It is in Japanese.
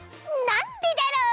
「なんでだろう」